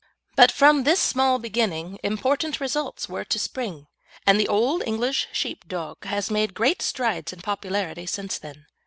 But from this small beginning important results were to spring, and the Old English Sheepdog has made great strides in popularity since then.